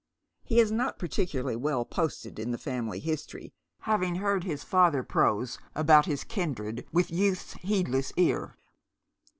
He is not particularly well posted in the family history, having heard liia father prose about his kindred with youth's heedless ear.